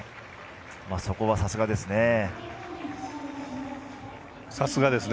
そこはさすがですね。